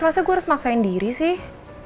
maksudnya gue harus maksain diri sih